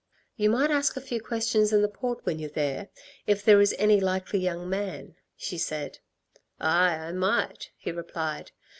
"You might ask a few questions in the Port when you're there, if there is any likely young man," she said. "Aye, I might," he replied.